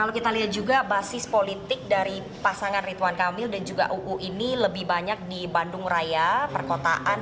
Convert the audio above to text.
kalau kita lihat juga basis politik dari pasangan ridwan kamil dan juga uu ini lebih banyak di bandung raya perkotaan